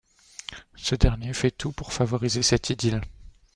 Ce dernier fait tout pour favoriser cette idylle.